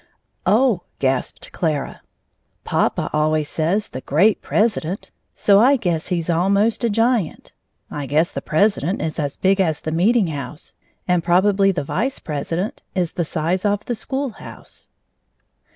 "Oh," gasped Clara, "Papa always says 'the great president' so I guess he's almost a giant. I guess the president is as big as the meeting house, and prob'ly the vice president is the size of the school house."